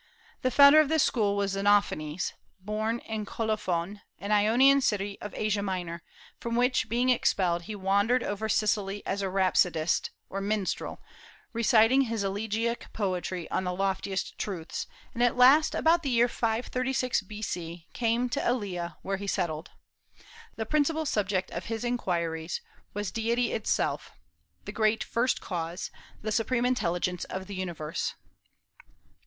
The founder of this school was Xenophanes, born in Colophon, an Ionian city of Asia Minor, from which being expelled he wandered over Sicily as a rhapsodist, or minstrel, reciting his elegiac poetry on the loftiest truths, and at last, about the year 536 B.C., came to Elea, where he settled. The principal subject of his inquiries was deity itself, the great First Cause, the supreme Intelligence of the universe.